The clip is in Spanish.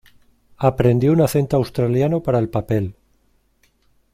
Aprendió un acento australiano para el papel.